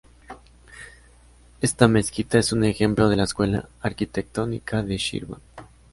Esta mezquita es un ejemplo de la escuela arquitectónica de Shirvan.